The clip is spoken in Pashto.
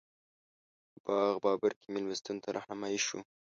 باغ بابر کې مېلمستون ته رهنمایي شوو.